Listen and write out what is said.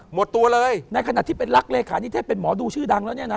หมดตัวเลยในขณะที่เป็นรักเลขานิเทศเป็นหมอดูชื่อดังแล้วเนี่ยนะ